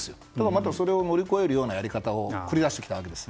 またそれを乗り越えるようなやり方を繰り出してきただけです。